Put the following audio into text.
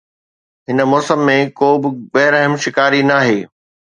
هن موسم ۾ ڪو به بي رحم شڪاري ناهي